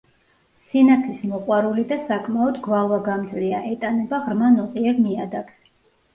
სინათლის მოყვარული და საკმაოდ გვალვაგამძლეა, ეტანება ღრმა ნოყიერ ნიადაგს.